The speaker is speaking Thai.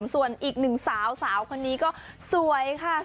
ส่วนอีกหนึ่งสาวสาวคนนี้ก็สวยค่ะ